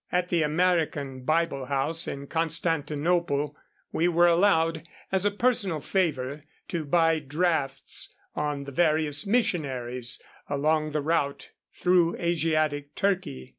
At the American Bible House at Constantinople we were allowed, as a personal favor, to buy drafts on the various missionaries along the route through Asiatic Turkey.